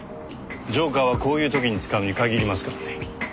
ジョーカーはこういう時に使うに限りますからね。